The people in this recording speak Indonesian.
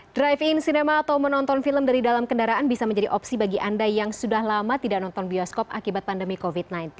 drive in cinema atau menonton film dari dalam kendaraan bisa menjadi opsi bagi anda yang sudah lama tidak nonton bioskop akibat pandemi covid sembilan belas